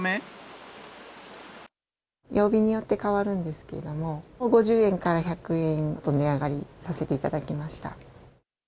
曜日によって変わるんですけれども、５０円から１００円、値上がりさせていただきました。